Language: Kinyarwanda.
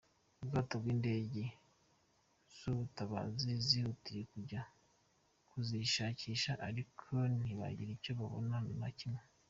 Ubwato n’indege z’ubutabazi zihutiye kujya kuzishakisha ariko ntibagira icyo babona na kimwe.